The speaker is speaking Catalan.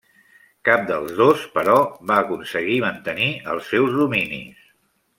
Cap dels dos, però va aconseguir mantenir els seus dominis.